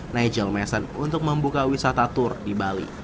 nagional mason untuk membuka wisata tour di bali